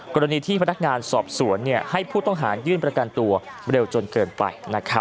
กรณีที่พนักงานสอบสวนให้ผู้ต้องหายื่นประกันตัวเร็วจนเกินไป